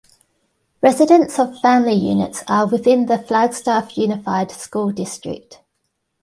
Residents of family units are within the Flagstaff Unified School District.